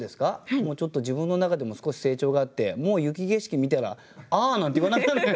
もうちょっと自分の中でも少し成長があってもう雪景色見たら「ああ」なんて言わなくなる。